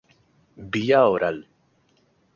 Vía oral.